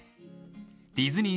ディズニー